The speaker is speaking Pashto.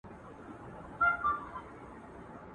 څوک چي زرګر نه وي د زرو قدر څه پیژني..